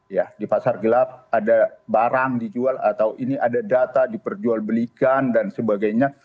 ya di pasar gelap ada barang dijual atau ini ada data diperjualbelikan dan sebagainya